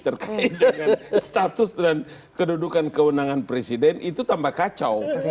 terkait dengan status dan kedudukan kewenangan presiden itu tambah kacau